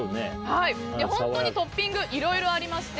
本当にトッピングいろいろありまして